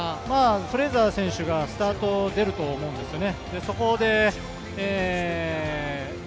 フレイザー選手がスタート出ると思うんですね。